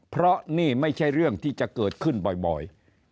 เพราะนี่ไม่ใช่เรื่องที่จะเกิดขึ้นบ่อย